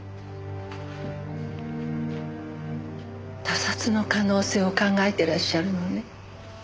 他殺の可能性を考えてらっしゃるのね？